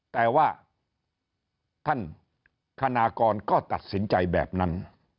แต่ว่าท่านคณากรก็ตัดสินใจแบบนั้น